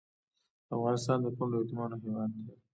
افغانستان د کونډو او یتیمانو هیواد دی